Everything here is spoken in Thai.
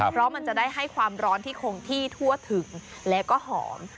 เพราะมันจะได้ให้ความร้อนที่คงที่ทั่วถึงแล้วก็หอม